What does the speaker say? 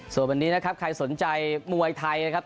ส่วนวันนี้นะครับใครสนใจมวยไทยนะครับ